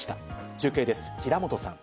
中継です、平本さん。